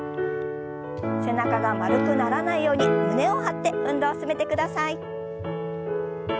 背中が丸くならないように胸を張って運動を進めてください。